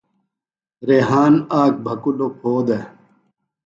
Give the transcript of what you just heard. ریحان آک بھکُوۡلوۡ پھو دےۡ۔